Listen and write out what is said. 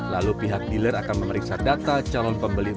lalu pihak dealer akan memeriksa data calon pembeli